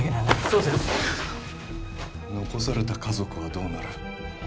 そうすれ残された家族はどうなる？